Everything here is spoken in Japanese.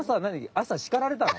朝叱られたの？